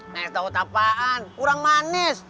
nih tau apaan kurang manis